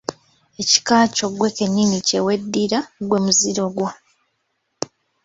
Ekika kyo ggwe kennyini kye weddira gwe muziro gwo.